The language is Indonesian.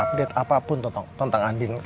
update apapun tentang andin